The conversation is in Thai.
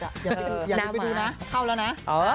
อย่าไปดูนะเข้าแล้วนะ